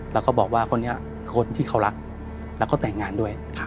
แล้วก็บอกว่าคนนี้คนที่เขารักแล้วก็แต่งงานด้วย